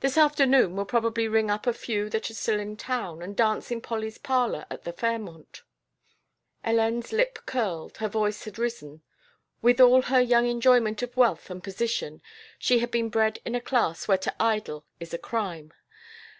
This afternoon we'll probably ring up a few that are still in town, and dance in Polly's parlor at the Fairmont." Hélène's lip curled, her voice had risen. With, all her young enjoyment of wealth and position, she had been bred in a class where to idle is a crime.